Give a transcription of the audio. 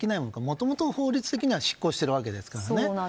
もともと、法律的には失効してるわけですからね。